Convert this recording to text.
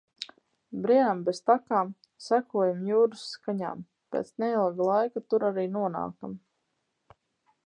Brienam bez takām, sekojam jūras skaņām. Pēc neilga laika tur arī nonākam.